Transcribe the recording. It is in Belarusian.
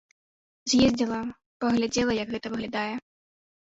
З'ездзіла, паглядзела, як гэта выглядае.